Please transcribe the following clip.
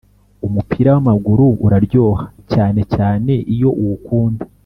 Umupira wamaguru uraryoha cyane cyane iyo uwukunda